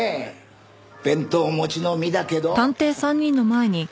「弁当持ち」の身だけど。